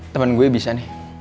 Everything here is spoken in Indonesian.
temen gue bisa nih